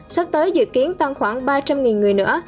sắp tới dự kiến tăng khoảng ba trăm linh người nữa